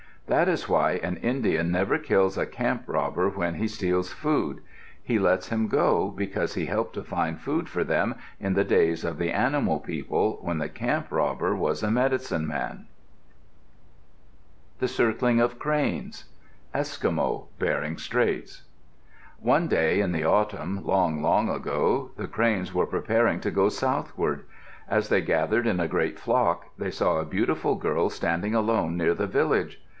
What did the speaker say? That is why an Indian never kills a camp robber when he steals food. He lets him go because he helped to find food for them in the days of the animal people, when the camp robber was a medicine man. [Illustration: View of Skagway Photograph by C. L. Andrews] [Illustration: Bering Sea, near Nome] THE CIRCLING OF CRANES Eskimo (Bering Straits) One day in the autumn, long, long ago, the cranes were preparing to go southward. As they gathered in a great flock, they saw a beautiful girl standing alone near the village.